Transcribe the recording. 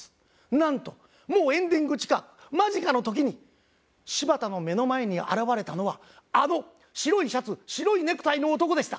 なんともうエンディング時間間近の時に柴田の目の前に現れたのはあの白いシャツ白いネクタイの男でした。